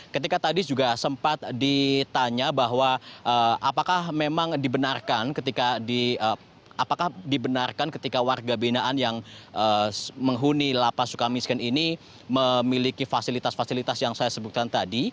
ketika tadi juga sempat ditanya bahwa apakah memang dibenarkan ketika di apakah dibenarkan ketika warga binaan yang menghuni lapas suka miskin ini memiliki fasilitas fasilitas yang saya sebutkan tadi